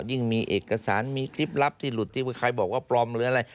ยิ่งมีเอกสารมีคลิปลับที่หลุดที่ใครบอกว่าปลอมหรืออะไร